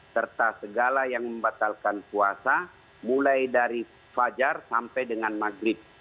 serta segala yang membatalkan puasa mulai dari fajar sampai dengan maghrib